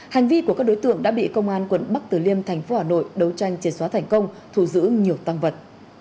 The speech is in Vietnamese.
hành vi của các đối tượng đã bị công an quận bắc tử liêm thành phố hà nội đấu tranh triệt xóa thành công thù giữ nhiều tăng vật